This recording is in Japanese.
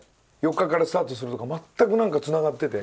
４日からスタートするとか全くなんか繋がってて。